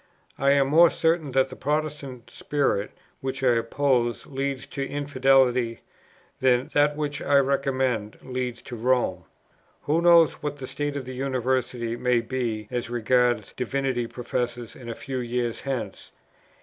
I am more certain that the Protestant [spirit], which I oppose, leads to infidelity, than that which I recommend, leads to Rome. Who knows what the state of the University may be, as regards Divinity Professors in a few years hence?